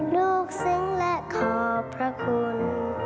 ลูกซึ้งและขอบพระคุณ